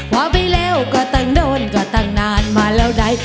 ว่าไปเร็วกับตังโดนกับตั้งนานมาแล้วได้